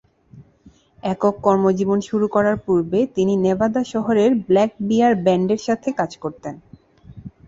একক কর্মজীবন শুরু করার পূর্বে তিনি নেভাদা শহরের ব্ল্যাক বিয়ার ব্যান্ডের সাথে কাজ করতেন।